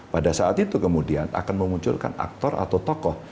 pada saat itu kemudian akan memunculkan aktor atau tokoh